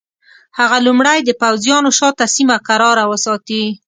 هغه لومړی د پوځیانو شاته سیمه کراره وساتي.